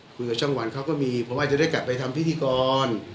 คุยกับช่อง๑เขาก็มีผมอาจจะได้กลับไปทำพิธีกร